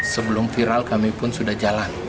sebelum viral kami pun sudah jalan